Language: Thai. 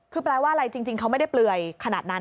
คือแปลว่าอะไรจริงเขาไม่ได้เปลือยขนาดนั้น